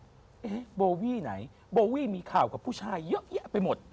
เอ๊ะโบวี่ไหนโบวี่มีข่าวกับผู้ชายเยอะแยะไปหมด